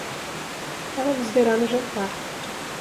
Ela nos verá no jantar.